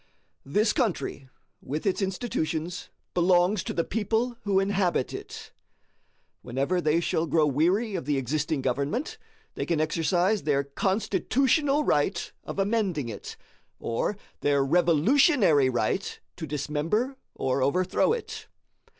This country, with its institutions, belongs to the people who inhabit it. Whenever they shall grow weary of the existing government, they can exercise their CONSTITUTIONAL right of amending it, or their REVOLUTIONARY right to dismember or overthrow it.